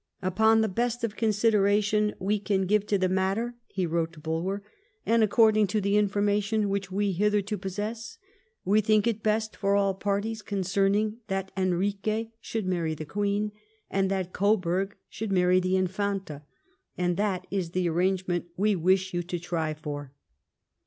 Upon the best of consideration we can give to the matter [he wrote to Bulwer] and according to the information which we hitherto possess, we think it best for all parties concerned that Enrique should mairrj the Queen, and that Coburg should marry the Infanta ; and that is the arrangement we wish you to try for.